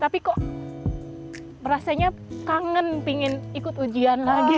tapi kok rasanya kangen pengen ikut ujian lagi